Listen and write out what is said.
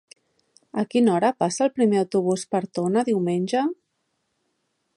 A quina hora passa el primer autobús per Tona diumenge?